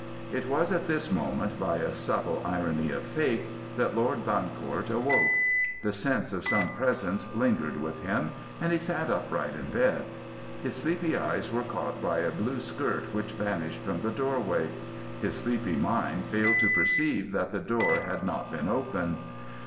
It was at this moment, by a subtle irony of fate, that Lord Bancourt awoke. The sense of some presence lingered with him, and he sat upright in bed. His sleepy eyes were caught by a blue skirt which vanished from the doorway; his sleepy mind failed to perceive that the door had not been open.